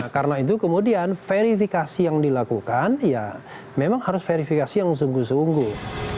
karena itu kemudian verifikasi yang dilakukan ya memang harus verifikasi yang sungguh sungguh